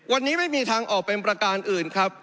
วันนี้ไม่มีทางออกเป็นประการอื่นครับ